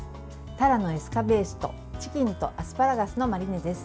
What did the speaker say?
たらのエスカベーシュとチキンとアスパラガスのマリネです。